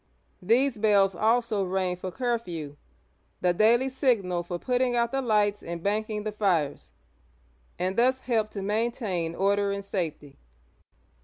These bells also rang for "curfew, — the daily signal for putting out the lights and banking the fires, — and thus helped to maintain order and safety.